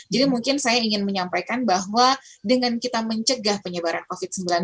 jadi mungkin saya ingin menyampaikan bahwa dengan kita mencegah penyebaran covid sembilan belas